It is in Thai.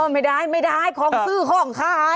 ไม่ได้ของซื้อของขาย